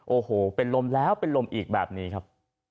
โอ้โหเป็นลมแล้วเป็นลมอีกแบบนี้ครับ